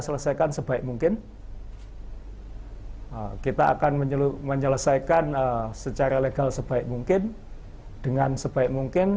selesaikan sebaik mungkin kita akan menyelesaikan secara legal sebaik mungkin dengan sebaik mungkin